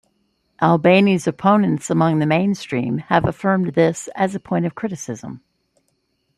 Albani's opponents among the mainstream have affirmed this as a point of criticism.